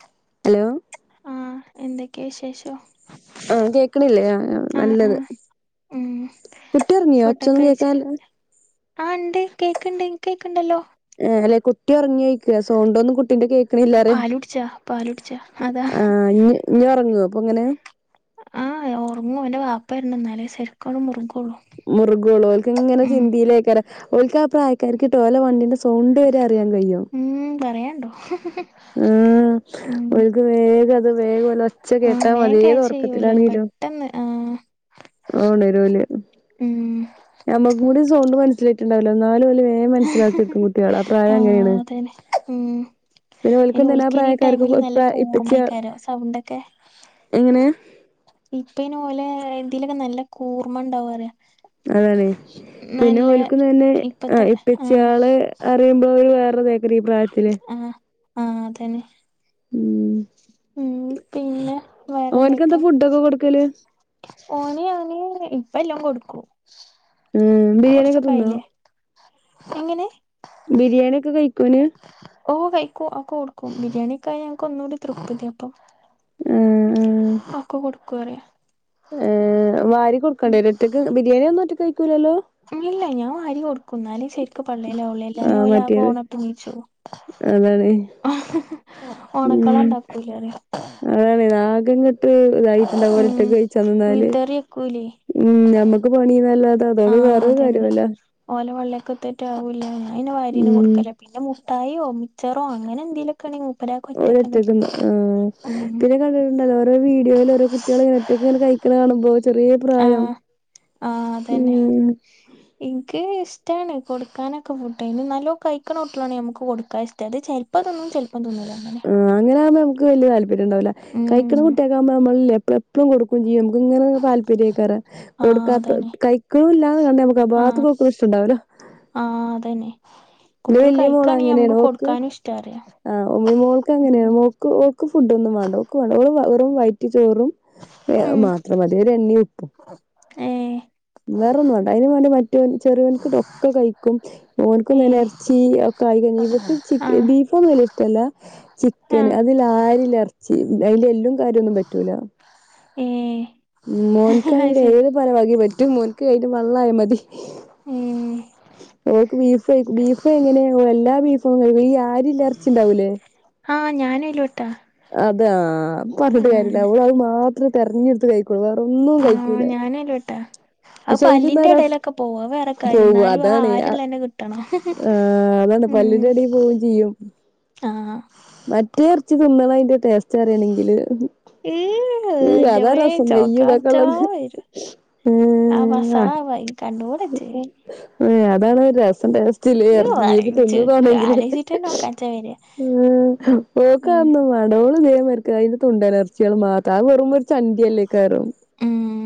ചിം hello ആഹ് എന്തൊക്കെ വിശേഷം? ആഹ് കേക്ക്ണില്ലേ? ആഹ് ആഹ് നല്ലത്. ഉം കുട്ടി ഒർങ്ങിയോ? ഒച്ചൊന്നും കേക്കാൻല്ല ആഹ് ഇണ്ടെ കേക്ക്ണ്ടേ ഇൻക്ക് കേക്ക്ണ്ടല്ലോ. ഏഹ് അല്ലെ കുട്ടിയൊർങ്യോയ്ക്ക സൗണ്ടൊന്നും കുട്ടിന്റെ കേക് ണില്ലാറ്യ. പാലുടിച്ചാ പാലുടിച്ചാ അതാ ആഹ് ഇഞ് ഇഞ് ഒർങോ അപ്പൊ ങ്ങനെ. ആഹ് ഒർങ്ങും ഓന്റെ വാപ്പ വര്നം ഇന്നാലേ സര്ക്കാണ്ട് മുർഗൊള്ളൂ മുർഗൊള്ളൂ ഓല്ക്ക് ഇങ്ങനെ ചിന്തീലേക്കാരം ഓൽക്ക് ആ പ്രായക്കാർക്ക് ട്ടോ ഓലെ വണ്ടിന്റെ സൗണ്ട് വരെ അറിയാൻ കയ്യും. ഉം പറയാൻണ്ടോ ആഹ് ഓൽക്ക് വേഗ അത് വേഗോല് ഒച്ച കേട്ടാമതി ഏത് ഒറക്കത്തിലാണെങ്കിലും ട്ടെന്ന് ആഹ് അ ഒണരൂല്ലേ. ഉം ഞമ്മക്കും കൂടി സൗണ്ട് മനസ്സിലായിട്ടുണ്ടാവുല ഇന്നാലും ഓല് വേം മനസ്സിലാക്കിട്ക്കും കുട്ടിയാൾ ആ പ്രായം ആഹ് അങ്ങനേണ്. അതന്നെ ഉം അയിന് തന്നെ ആ ഓൽക്കയിന് ഈ പ്രായക്കാർക്ക് ടൈമില് നല്ല ഇപ്പ കോർമ്മ ഇപ്പച്ചി ആയിക്കാരം സൗണ്ടൊക്കെ എങ്ങനെ? ഇപ്പയിന് ഓലെ ഇതീലൊക്കെ നല്ല കൂർമ്മ ഉണ്ടാവും പറ്യ. അതാണെ പിന്നെ ഓൽക്കും തന്നെ ഇപ്പത്തെ ആഹ് ആഹ് ഇപ്പച്യാള് അറിമ്പോ ഒര് വേറൊരുതേക്കാരം. ആഹ് ആഹ് അതന്നെ ഊം ഉം പിന്നെ ഓൻക്കെന്താ വേറെന്തൊക്കെ? ഫുഡൊക്കെ കൊടുക്കല് ഓന് ഞാന് ഇപ്പ എല്ലതും കൊടുക്കും ഉം ബിരിയാണിയൊക്കെ തിന്നോ കോർച്ചൊക്കായില്ലേ. എങ്ങനെ? ബിരിയാണി യൊക്കെ കഴിക്കോന്? ഓഹ് കഴിക്കും അഒക്കെ കൊടുക്കും. ബിരിയാണിക്കായാ ഞങ്ങക്ക് ഒന്നൂടെ തൃപ്തിയാപ്പം. ആഹ് ആഹ് അഒക്കെ കൊടുക്കു അർയാ. ഏഹ് വാരി ഉം കൊട്ക്കണ്ട്യേരോ? ഒറ്റയ്ക്ക് ബിരിയാണി ഒന്നും ഒറ്റക്ക് കഴിക്കൂലല്ലോ. ഇല്ല ഞാൻ വാരി കൊടുക്കും ഇന്നാലേ ശരി ക്ക് പള്ളേലാവുള്ളൂ എല്ലാഞ്ഞാ ഓല് ആകെ ഓണട്ട് നീച്ചോവും. അതാണെ ഓണക്കള ഇണ്ടാക്കൂലേ പറിയ. അതാണെ. ആകെങ്ങെട്ട് ഇതായിട്ടുണ്ടാവും ഉം ഓലൊറ്റെക്ക് കഴിച്ചാൻ നിന്നാല് വിതറിവെക്കൂലേ ഉം ഞമ്മക്ക് പണിന്നല്ലാതെ അതോണ്ട് വേറൊരു കാര്യ വൂല്ല. ഓലെ പള്ളേക്കത്ത്‌വൊറ്റെ ആവുല ഞാൻ പിന്നെ വാരിയെന്നെ ഉം കൊട്ക്കലാ. പിന്നെ മുട്ടായിയോ മിച്ചറോ അങ്ങനെ എന്തോലെക്കെ ആണെങ്കിൽ മൂപ്പരാക്ക ഒറ്റക്കന്നെ തിന്നും. മ്ഹ് കണ്ട് ഇണ്ടല്ലോ ഓരോ വീഡിയോല് ഓരോ കുട്ടികൾ ഒറ്റക് ഇങ്ങനെ കഴിക്ക്ണ കാണുമ്പോ ചെറിയ പ്രായം ആഹ് ആഹ് അതന്നെ ഉം ഇൻക്ക് ഇഷ്റ്റാണ് കൊടുക്കാനൊക്കെ ഫുഡയ്ന് നല്ലോ കഴിക്ണ കുട്ടിയേളാണെങ്കി നമുക്ക് കൊടുക്കാ ഇഷ്റ്റാ. ഇത് ചെല് പ്പം തിന്നും ചെൽപ്പം തിന്നൂല്ല അങ്ങനെ. ആഹ് അങ്ങനാവുമ്പം ഞമ്മക് വല്യ താല്പര്യണ്ടാവൂല്ല. കഴിക്ക്ണ ഉം കുട്ടിയേക്കാവുമ്പോ മ്മള് ഇല്ല്യെ എപ്പളുഎ പ്പളും കൊടുക്കും ചെയ്യും. നമ്മക്ക് ഇങ്ങനെ താല്പര്യേക്കാരം. ആഹ് കൊടുക്കാത്ത അതന്നെ കഴിക്ണൂല്ലാന്ന് കണ്ടാ നമുക്ക് ആ ആഹ് ഭാഗത്തുക്കോക്ണെ ഇഷ്ട്ടണ്ടാവൂല. ആഹ് അതന്നെ ഇന്റെ കുട്ടികൾ വല്യ മോള് കഴിക്കാണെ അങ്ങനെയാണ് നമുക്ക് ഓക്ക് കൊടുക്കാനും ഇഷ്ടാ പറ്യ. ആഹ് ഉമ്മിമോൾക്ക് അങ്ങനെയാ മോ ഓക്ക് ഫുഡ് ഒന്നും വാണ്ട ഓക്ക് വെള്ള വെറും വൈറ്റ് ചോറും ഉം മാത്രം മതി ഒരു എണ്ണീം ഉപ്പും ഏഹ് വേറൊന്നും വാണ്ട. അതിന് വേണ്ടി മറ്റോൻ ചെറിയോൻക്ക് ട്ടോ ഒക്കെ കഴിക്കും ഓൻക്കും തന്നെ ഏഹ് ചീ കായി കഞ്ഞ ഇവക്ക് ചി ആഹ് ബീഫ് ഒന്നും വല്യ ഇഷ്ടല്ല ചിക്കൻ ആഹ് അതിൽ ആരില ഇറച്ചി അതിന്റെ എല്ലും കാര്യന്നും പറ്റൂല ഏഹ് ഉം അത് മോനക്കാണെങ്കിൽ ശരി ഏത് പലവകേം പറ്റും മോൻക്ക് ഇതു വള്ളായാലും മതി ഏഹ് ഓക്ക് ബീഫ ബീഫ് എങ്ങനെയ എല്ലാ ബീഫ ഈ ആര്ല ഇറച്ചിണ്ടാവൂലേ ആഹ് ഞാനും അയിലോട്ടാ അതാ പറഞ്ഞിട്ട് കാര്യമല്ല അവളെ അത് മാത്രമേ തെരഞ്ഞെടുത്ത് കഴിക്കോള്ളൂ വേറൊന്നും കഴിക്കൂല അനല്ലോട്ടാ അത് പക്ഷെ അയില് ന്നാ പല്ലിന്റെ രസം ഇടയിലൊക്കെ പോവും അത് വേറെ കാര്യം എന്നാലും ആ ആരുള്ള തന്നെ കിട്ടണം ആഹ് അതാണ് ഉം പല്ലിന്റെ അടി പോവേം ചെയ്യും ആഹ് മറ്റേ ഇറച്ചി തിന്നണ അയിന്റെ ടേസ്റ്റ് അറിയണെങ്കില് ഈഹ് ഇ അതാ എന്റമ്മേ രസംനെയ്യ് ചോക്കാൻ പറ്റാ അതേക്കെള്ളത് വരും കണ്ണൂർത്തി ഉം അതാണ് രസ വ്യവ [unintelligible] വീര് തിന്നതോണെങ്കില് ആലോചിച്ചിട്ടന്നെ ഓക്കാൻച്ച വര ഓക്ക് ഉം അത് മടകള് ഇക്ക അതിന്റെ തൊണ്ട അലർജികൾ മാത്രം അവെമോ ഒരു ചണ്ടിയ അല്ലേ കറും ഉം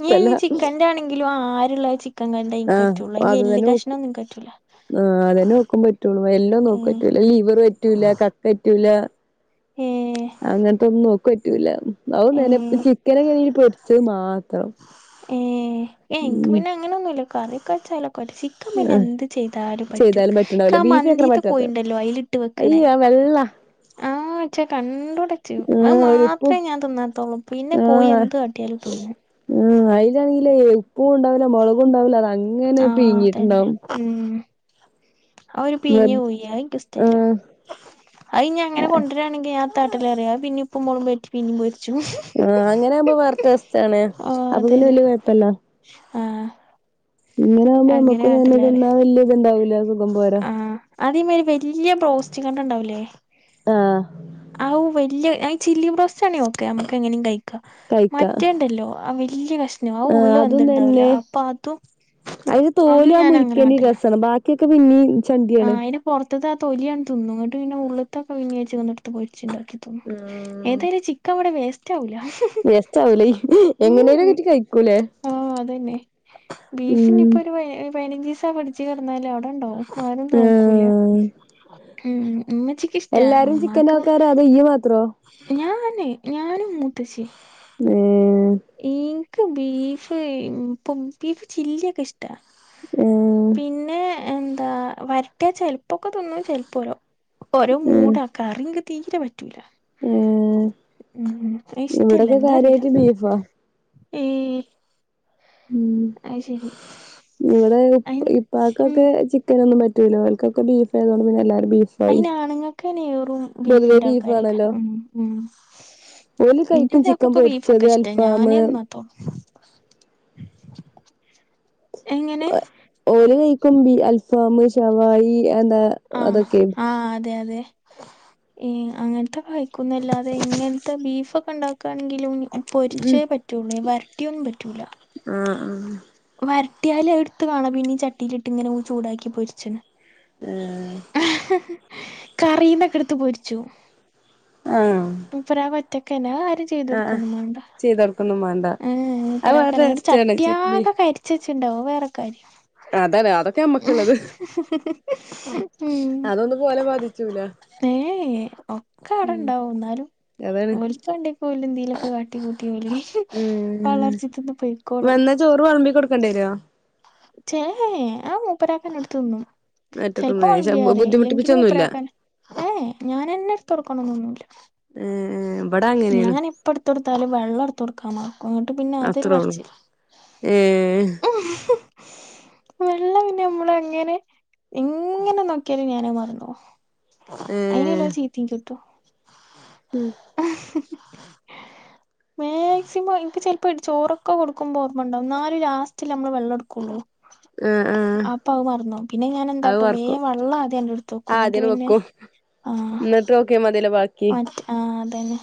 നീ ഇനി ചിക്കന്റെ ആണെങ്കിലും ആരുള്ള ക്ക കണ്ട ആഹ് പറ്റുള്ളൂ ഇ അത് തന്നെ എലു കക്ഷണം നോക്കും ഒന്നും പറ്റൂല്ല ആഹ് അതന്നെ ഓക്കും പറ്റുള്ളൂ എല്ലോന്ന് ഓക്ക് ഏഹ് പറ്റൂല ലിവർ പറ്റൂല ക പറ്റൂല ഏഹ് അങ്ങനത്തെ ഒന്നും നോ പറ്റൂല അ നിനെപ്പ ഏഹ് ചിക്കനക്ക പൊരിച്ചത് മാത്രം ഏഹ് എനിക്ക് ഉം പിന്നെ അങ്ങനെ ഒന്നുല്ല കറിയൊക്കെ വെച്ചാൽ ക്ക് പിന്നെ എന്ത് ചെയ്താലും പറ്റും ചെയ്താലും പറ്റ്ണ്ടാവൂല എക്ക ബീഫ് മന്തിത്തെ പോയിണ്ടല്ലോ അതിൽ ഇട്ട് വെക്കണേ വെള്ളാ ആഹ് ഇച്ചാ കണ്ടുകൂടെ ചെയ്യ അത് ആഹ് ഒരുപ്പും മാത്രമേ ഞാൻ തിന്ന പ്പ പിന്നെ കോഴി ആഹ് എന്ത് കാട്ടിയാലും തിന്നും ആഹ് അയിലാണെങ്കിലേയ് ഉപ്പും ഉണ്ടാവില്ല മുളകും ഉണ്ടാവില്ല അത അങ്ങനെ ആഹ് അതന്നെ പിഴിങ്ങിട്ടുണ്ടാവും ഉം ആ ഒരു വെർ പിഞ്ഞ പോയി അയെനിക്ക് ഇഷ്ട്ടല്ല ആഹ് അത് ഇനി അങ്ങനെ കൊണ്ടര ആ താട്ടില അറിയാം പിന്ന ഇപ്പ മോളും മീൻ പൊരിച്ചു ആഹ് അങ്ങനെ ആവുമ്പോ വേറെ ടേസ്റ്റ് ആണ് ആഹ് അപ്പൊ പിന്നെ അതന്നെ വലിയ കൊഴപ്പല്ല ആഹ് ഇങ്ങനെ ആകുമ്പോ അങ്ങനെ നമുക്ക് തന്നെ ഇത് കാട്ടലാറിയ വലിയ ഇത്ണ്ടാവില്ല സുഖം പോരാ ആഹ് അതിമേ ഒരു വലിയ ബോസ്റ്റ് കണ്ട ഉണ്ടാവലേ ആഹ് ആവു വലിയ ചില്ലി ബ്രോസ്റ്റാണേ ഒക്കെ നമുക്ക് എങ്ങനെയും കഴി ക്ക കഴിക്കാ മറ്റേണ്ടല്ലോ ആ വലിയ കഷ ഞാവു ആഹ് ഉള്ള് അതും വെന്തുണ്ടാവില്ല തന്നെ അപ്പൊ അതും അതും ഞാൻ അങ്ങനെ കണ്ടില്ല ഒക്കെ പിന്നേം ചണ്ടിയാണ് പുറത്തത്തെ ആ തൊലിയാണ് ന്ന ഇങ്ങട്ട് പിന്നെ ഉള്ളത്തൊക്കെ വിനച്ച കടുത്ത് പോൊിുണ്ടാക്കി തോന്നു ആഹ് ഏതായാലും ചിക്കൻ ഇവിടെ വേസ്റ്റ് ആവില്ല വേസ്റ്റാവുലെ എങ്ങനെലും ച്ചി കഴിക്കൂലേ ആഹ് ഉം [unintelligible] പയിനാജുസ ച കെടന്നാലും അവിടെണ്ടാവും ആരും നോക്കൂല ആഹ് ഉം ഉമ്മച്ചി എല്ലാരും ചിക്കൻ ആൾക്കാരാ അതേ ഈ മാത്രോ? ഞാൻ തന്നെ ഞാനും മൂത്തശ്ശി. ഉം യീന്ക് ബീഫ് ഇപ്പും ബീഫ് ചില്ലിയൊക്കെ ഇഷ്ടാ. ഉം പിന്നെ എന്താ വരട്ടിയ ചെലപ്പൊക്കെ തിന്നും ചെലപ്പോലോ ഓരോ ഏഹ് മൂടാ കറി നിക്ക്തീരെ പറ്റൂല. ഏഹ് ഉം ഇഷ്ടല്ല ഇവിടൊക്കെ എന്താറീല കാര്യായിട്ട് ബീഫാ ഈ ഉം ശരി ഇവടെ അയിന് ഉം ഇപ്പാക്കൊക്കെ ചി ക്കനൊന്നും പറ്റൂലാ അവൽക്കൊക്കെ ബീഫായതോണ്ട് പിന്നെല്ലാരും ബീഫ് ബീഫായി അയിനാണുങ്ങക്ക് നെറും പൊതുവേ ബീഫിന്റെ [unintelligible] കാരൊക്കെ ബീഫാണല്ലോ ഉം ഉം ഓല് എന്റെ കഴിക്കും ചിക്കൻ പുയപ്ലക്ക് ബീഫൊക്കെ പൊരിച്ചത് ഇഷ്ട്ടാ ഞാന് അൽഫാമ് ന [unintelligible] എങ്ങനെ? ഓല് കഴിക്കും ബി അൽഫാമ്, ശവായി എന്താ ആഹ് അതൊക്കെ ആഹ് അതെ അതെ ഈ അങ്ങന ത്തെ കഴിക്കുന്നല്ലാതെ ഇങ്ങൻത്തെ ബീഫൊക്കെണ്ടാക്ക ക്കണെങ്കിലും പൊരിച്ചേ പറ്റുള്ളൂ വരട്ടിയൊന്നും പറ്റൂലാ ആഹ് ആഹ് വരട്ടിയാല് എടുത്ത് കാണാ പിന്നീ ചട്ടീലിട്ട് ഇങ്ങനെ ചൂടാക്കി പൊരിച്ചണ്. ആഹ് കറിനെക്കെടുത്ത് പൊരിച്ചു. ആഹ് [unintelligible] ഒറ്റക്കെന്നാ [unintelligible] ആഹ് ചെയ്തോടൊക്കൊന്നുമേണ്ട ചെയ്തോട്ക്കൊന്നും മാണ്ട അത് വേറെ ഏഹ് ടേസ്റ്റാണ് ചിക്ക് ചട്ടിയാകെ ബീഫ് കരി ച്ച്ച്ചാണ്ടാവും വേറെ കാര്യം അതാണ് അതൊക്കെ ഞമ്മക്ക്ള്ളത്. ഹ ഹ ഉം അതൊന്നും പോലെ ബാധിച്ചൂല ഏഹ് ഉം ഒക്കെവടെണ്ടാവും എന്നാലും അതാണ് ഓലിച്ചണ്ടിക്കല്ല [unintelligible] ന്തീലൊക്കെ കാട്ടി കൂട്ടി ഓലി ഉം വളർച്ച തിന്ന് പൊയ്ക്കോളും വന്നാ ചോറ് വേളമ്പി കൊടുക്കേണ്ടി വരോ? ചേ ആഹ് മൂപ്പരാക്കൻ എടുത്തു തിന്നും ചെലപ്പോ മറ്റക്കൊന്ന് പക്ഷെ വേളമ്പിയറയും ഇലെങ്കില് ബുദ്ധിമുട്ടിപ്പിച്ചൊന്നുല്ല മൂപ്പര്ക്കനെ ഏയ് ഞാനെന്നെ എടുതൊടുക്കണം എന്നൊന്നുല്ല ഏഹ് ഇബടെ അങ്ങനെയാണ് ഞാൻ എ എപ്പടുത്തൊടുത്താലും വെള്ള ടുത്തോടുകാൻ മേണം. അങ്ങോട്ട് പിന്നെ ആതൊരു അത്രേള്ളൂ പറച്ചിൽ ഏഹ് വെള്ളം പിന്നെ മ്മള് എങ്ങനെ എങ്ങനെ നോക്കിയാലും ഞാനത് മറന്നോവും അയിനല്ല ഏഹ് ചീത്തേം കിട്ടും ഉം മാക്സിമം എനിക്ക് ചെൽപ്പോ ചോറൊക്കെ കൊടുക്കുമ്പോ ഓർമ്മണ്ടാവുംന്നാലും ലാസ്റ്റല്ലേ മ്മള് വെള്ളം എടു ക്കുളു ആഹ് ആഹ് അപ്പ അത് മറന്നോവും പിന്നെ ഞാൻ അത് വറക്കും എന്താട്ടുംവേം വെള്ളദ്യം അങ്ങ് എടുത്തോകും ന്നട്ട് പിന്നെ ആഹ് ക്ക്യമതിലാ ബാക്കി ആഹ് അതന്നെ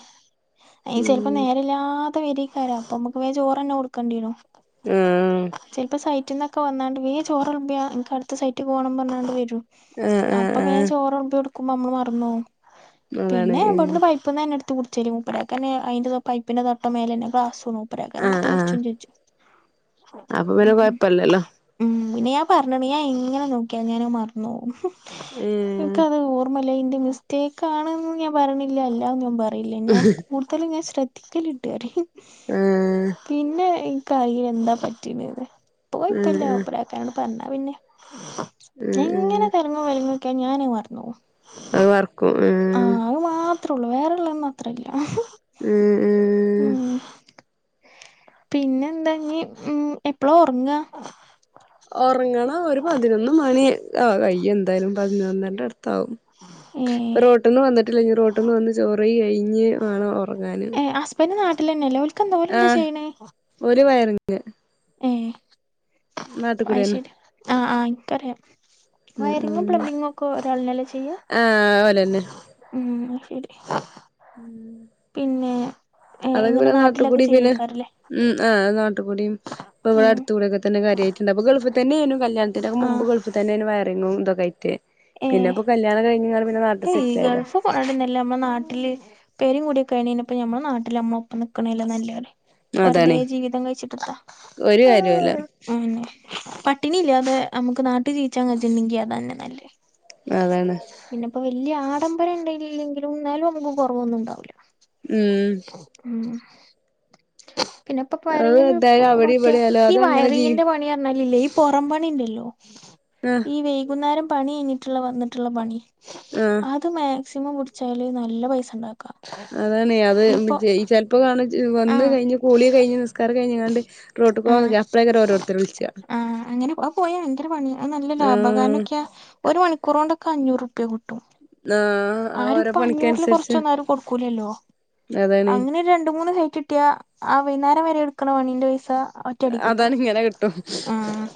ചെലപ്പോ ഉം നേരല്ലാ ത്താ വരിക്കാരാ അപ്പോമ്മക്ക് വേ ചോറെന്നെ കൊടുക്കണ്ടിരോ ഉം ചെലപ്പോ സൈറ്റിനൊക്കെ വന്നാണ്ട് വേഗം ചോറ് വേളമ്പിയ എനിക്ക് അടുത്ത സൈറ്റിക്ക് പോണം എന്നു പറഞ്ഞാണ്ട് വരും ആഹ് ആഹ് അപ്പം വേ ആഹ് ചോറ് വേളമ്പി കൊടുക്കുമ്പോ നമ്മള് മറന്നു പോവും അതാണ് പിന്നെ ഉം ഇവിടുന്ന് പൈപ്പിന്ന് തന്നെ എടുത്ത് കുടിച്ചൽ മൂപ്പരാക്ക് അതിന്റെ പൈപ്പിന്റെ തൊട്ടു മേൽ തന്നെ ക്ലാസ്ണു മൂപ്പരാക്ക ന്നെ ആഹ് എടുത്തു കുടി ആഹ് ചും ചെച്ചു അപ്പൊ പിന്നെ ഉമ് ഉമ് കൊഴപ്പല്ലല്ലോ ഉം പിന്നെ ഞാൻ പറഞ്ഞ് ണ് ഞാൻ എങ്ങനെ നോക്കിയാ ഞാന് അഹ് മറ്ന്നോ വും ഏ ഇന്ക്ക് അത് ഓർമ്മല്ല ഇന്റെ മിസ്റ്റേക്ക് ആണ് ന്നു ഞാൻ പറയിണില്ല അല്ലാന്നു ഞാൻ പറില്ല ഞാൻ കൂടു തലും ഞാൻ ശ്രദ്ധിക്കല്ണ്ട് അ റിം ഉം പിന്നെ ഇനിക്കയില് എന്താ പറ്റി നേന്ന് ഇപ്പ കൊയപ്പില്ല ആഹ് പ്ര ക്കാനോട്പറഞ്ഞ പിന്നെ ഉം ഉം എങ്ങനെ തലങ്ങും വെലങ്ങും ക്യ ഞാനഹ് മറന്നോവും അത് വർക്കും ഏഹ് ആഹ് അഅ്മാത്രേ ഒള്ളൂ വേറെള്ളന്നു അത്രല്ല ഉം ഉം ഉം പിന്നെ എന്താ ഇഞ്ഞ് എപ്പള ഒറ്ങ്ങ്യ ഒറങ്ങണം ഒരു പതിനൊന്ന് മണി അത് കഴിയും എന്തായാലും പതിനൊന്നരന്റെ അടുത്താവും പ്പം ഏഹ് റോട്ടിന്ന് വന്നിട്ടില്ല ഇനി റോട്ടിന്ന് വന്ന് ചോറ് കഴി കഴിഞ്ഞ് വേണം ഒറങ്ങാന് ബന്റ് നാട്ടിൽ തന്നെയല്ലേ ഓൽക്ക് ഓൽ എന്താ ആഹ് ചെയ്യ്ണേ ഓല് വയറിങ് ഏഹ് അത് നാട്ടിക്കൂടെന്നെ ശരി ആഹ് ആഹ് ഇന്ക്കറിയാ ഉം വയറിങ്ങും ഉം പ്ലംബിങ്ങും ഒക്കെ ഒരാളനല്ലേ ചെയ്യാ ആഹ് ഓലന്നെ ഉം ശരി പിന്നെ ഏഹ് അതൊക്കെ ഇങ്ങനെ പിന്നെ നാട്ട് നാട്ടിലൊക്കെ കൂടി പിന്നെ ചെയ്യാക്കാരല്ലേ ഉം ആഹ് നാട്ടിക്കൂടി ഇപ്പ ഇവിടെ ഉം അടുത്തുകൂടെയൊക്കെ തന്നെ കാര്യമായിട്ടുണ്ട് അപ്പ ഗൾഫി തന്നെ ന്നു കല്യാൺ ത്തിന്റെ മുമ്പ് ആഹ് ഗൾഫി തന്നെ ഏന്നു വയറിങ്ങും ഇതൊക്കെ ആയിട്ട് പിന്നെ ഏഹ് ഇപ്പം കല്യാണം കഴിഞ്ഞ് കാണ്ട് പിന്നെ നാട്ട് സെറ്റായതാ ഇപ്പ പോണാട്ടി നല്ലേ നമ്മള നാട്ടില് പേരേം കുടി കെ ആയിണ് ഞ്ഞ് പ്പം നമ്മളെ നാട്ടില് നമ്മള ഒപ്പംനിൽക്കണ അല്ലേ നല്ലേ റിം വെറുതെ അതാണേ ജീവിതം കഴിച്ചിട്ട് എത്താ ഒരു കാര്യല്ല മ് പട്ടിണി ഇല്ലാതെ നമുക്ക് നാട്ടി ജീവിച്ചാൻ കജ്ണ്ടെങ്കി അ തന്നെ ന ല്ലേ അതാണ് അപ്പ വല്യ ആഡംബരം ണ്ട് ഇല്ലെങ്കിലും എന്നാലും നമുക്ക് കുറവൊന്നും ഉണ്ടാവൂല്ല മ് മ് പിന്നെ ഇപ്പ അത് വയറിങ്ങിന് എന്തായാലും അവിടെ പോറ്റയ ഇവിടെ ആയാലും അതങ്ങനെ ജീവി വയറിങ്ങിന്റെ പണി അറിഞ്ഞാലില്ലേ പൊറം പണി ഇണ്ടല്ലോ മ് ഈ വൈകുന്നേരം പണി കഴഞ്ഞിട്ടുള്ള വന്നിട്ടുള്ള പണി മ് അത് മാക്സിമം പിടിച്ചാല് നല്ല പൈസ ണ്ടാക്കാ അതാണ് അത് ജൈ ചെലപ്പോ കാണ് ഈ വന്ന് ആഹ് കഴിഞ്ഞ് കുളി കഴിഞ്ഞ് നിസ്കാരം കഴിഞ്ഞിങ്ങാണ്ട് റോട്ട് ക്ക് പോവാൻ ആഹ് നിക്ക അപ്പളേക്കാ രം ഒരോരുത്തര് വിളിച്ച ആഹ് അങ്ങനെ അഹ് പോയാ ഭയങ്കര പണി നല്ല ലാഭ കാരണം ആഹ് ക്യ ഒരു മണിക്കൂറൊണ്ടൊക്കെ അഞ്ഞൂറ് ർപ്യ കിട്ടും ന്നാ ആരുപ്പോ അഞ്ഞൂറിൽ കൊറച്ചൊന്നും ആരും കൊടുക്കൂലല്ലോ അതാണ് അങ്ങനെ രണ്ട് മൂന്ന് ഹൈറ്റ് ട്ടയാ ആ വൈകുന്നേരം വരെ ഇട്ക്ക്ണ പണിന്റെ പൈസ ഒറ്റയടിക്ക് കിട്ടും അതാണ് ഇങ്ങനെ കിട്ടും ആഹ്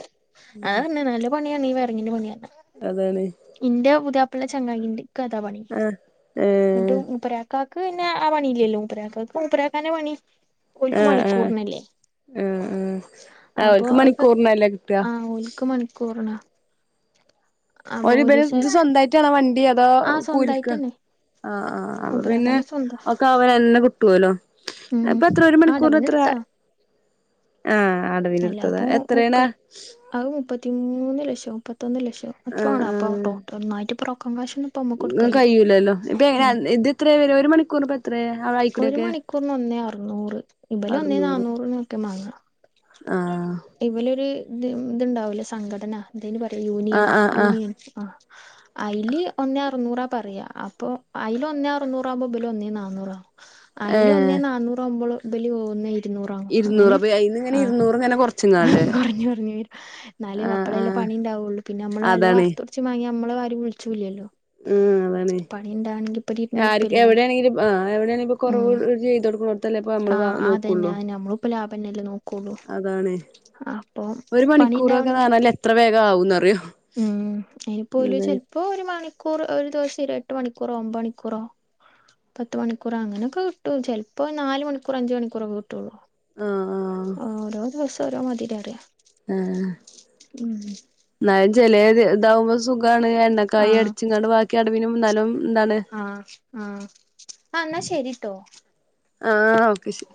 അതന്നെ നല്ല പണിയാണ് ഈ വയറിങ്ങിന്റെ പണിയൊക്കെ അതാണ് ഇന്റെ പുതിയാപ്ലന്റെ ചങ്ങായിണ്ട് ക്ക് അതാ പണി ആഹ് ന്നട്ട് ഏഹ് മൂപ്പരാ കാക്ക് പിന്നെ ആ പണിയില്ലല്ലോ മൂപ്പരാക്കക്ക് മൂപ്പരാക്കാന്റെ പണി ഓൽക്ക് ആഹ് ആഹ് ആഹ് മണിക്കൂറിനല്ലേ ആഹ് ആഹ് അപ്പൊ ഓൽക്ക് അക്കെ മണിക്കൂറിനല്ലേ കിട്ടാ ആഹ് ഓൽ ക്ക് മണിക്കൂറ് നാ ഓര് പര് ഇത് സ്വന്തയിട്ടാണേ വണ്ടി അ തോ ആ കൂലിക്കാ സ്വന്തായിട്ടന്നെ ആഹ് ആഹ് അപ്പ പിന്നെ മൂപ്പരാക്കാന്റെ സ്വന്താ ഒക്കെ അവനന്നേ കിട്ടുവലോ ഉം ഇപ്പ എത്ര ഒരു മണിക്കൂറിനെത്രേ അടവിനെടുത്താ അല്ലാപ്പോ എത്രേണ് ആഹ് മുപ്പത് അഹ് മുപ്പത്തിമൂന്നുലക്ഷോ മുപ്പത്തൊന്ന് ലക്ഷോ അത്രോആണ് അപ്പം ആഹ് ടോട്ട്ർ ഒന്നായിറ്റ് ബ്രോക്കറുംകാഷ് ഇങ്ങക്ക് കഴിയൂല്ലല്ലോ ഇപ്പേ എങ്ങനാ അൻ ഇത് എത്രേ വെരാ ഒരു മണിക്കൂർനിപ്പം എത്രേ ആവ ഒരു മണിക്കൂറിന് ഒന്നേ അറുന്നൂറ് ഇബല് ഒന്നേ അറുന്നൂറ് നാന്നൂറ്നൊക്കെ മാങ്ങാ ആഹ് ഇവലൊരു ഇത് മ് ഇതൊണ്ടാവൂലേ സംഘടന എന്തേനു പറയാ ആഹ് യൂനിയനോ ആഹ് ആഹ് യൂണിയാ ആഹ് അയില് ഒന്നേഅറുന്നൂറാ പറയാ അപ്പൊ അയില് ഒന്നേഅറുന്നൂറാവുമ്പോ ഇബല് ഒന്നേ നാന്നൂറാ അയില് ഒന്നേ നാന്നൂറാവുമ്പോള് ഇബല് ഒന്നേ ഇരുന്നൂറൊ അപ്പ അയിന്ന് എങ്ങനെ ഇരുന്നൂറ് ഇങ്ങനെ ആ കൊറച്ച്ങ്ങാണ്ട് കൊറഞ്ഞ് കൊറഞ്ഞ് ന്നാലും ആഹ് അപ്പളല്ലേ ആഹ് പണി ഉണ്ടാവൊള്ളൂ പിന്നെ അമ്മള് അലുവ അതാണ് വറുത്തു കുറച്ച് മാങ്ങ്യാ അമ്മളെയാരും വിളിച്ചൂല്ല്യല്ലോ ഉം അതാണ് പണിണ്ടാണെങ്കിപരി ആര് എവിടെയാണെങ്കിലും ഇപ്പ ആഹ് എവിടെയാണെങ്കി പ്പ ഉം കുറവൊള ചെയ്തൊടുക്കു ആഹ് അതന്നെ അയന്നെ നമ്മളും ഇപ്പ ലാഭന്നല്ലേ നോക്കൊള്ളു അതാണ് ഹാ അപ്പൊ പണി ഇണ്ടാവണെ ആണല്ലേ എത്ര വേഗആവൂന്നറിയോ ഉം അയിനിപ്പോ ഓല് ചെൽപ്പോ ഒരു മണിക്കൂറ് ഒരു ദിവസം ഒരുഎട്ട് മണിക്കൂറോ ഒമ്പേണിക്കൂറോ പത്തു മണിക്കൂറ് ആ അങ്ങൊനൊക്കെ കിട്ടും ചെൽപ്പം നാല് മണിക്കൂറൊ അഞ്ച് മണിക്കൂറൊ ഒക്കെ കി ആഹ് ആഹ് ആ ഓരോ ദിവസം ഓരോ മാതിരിഅറിയാ ആ ന്നാലും ചെലേത് ഇതാവുമ്പോ സുഖ് ഖാണ് എണ്ണക്കായി ആഹ് അടിച്ചിങ്ങാണ്ട് ബാക്കി അടവിനും ന്നാലും എന്താണ് ആ ആ ആ എന്നാ ശെരിട്ടോ ആ ഓക്കെ ശെ